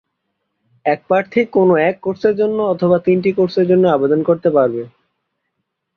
এক প্রার্থী কোন এক কোর্সের জন্য অথবা তিনটি কোর্সের জন্য আবেদন করতে পারে।